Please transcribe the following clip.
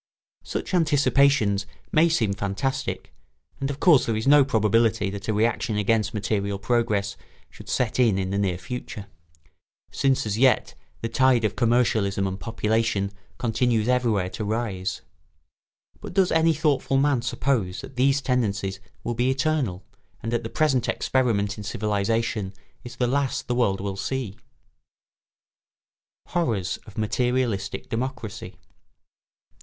Such anticipations may seem fantastic, and of course there is no probability that a reaction against material progress should set in in the near future, since as yet the tide of commercialism and population continues everywhere to rise; but does any thoughtful man suppose that these tendencies will be eternal and that the present experiment in civilisation is the last the world will see? [Sidenote: Horrors of materialistic democracy.